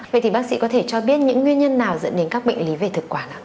vậy thì bác sĩ có thể cho biết những nguyên nhân nào dẫn đến các bệnh lý về thực quản ạ